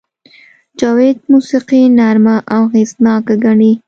جاوید موسیقي نرمه او اغېزناکه ګڼي